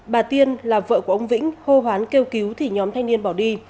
bà tiên là vợ của ông vĩnh hô hoán kêu cứu thì nhóm thanh niên bỏ đi